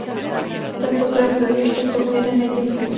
Ten pokrm byl ještě k tomu jeden jediný.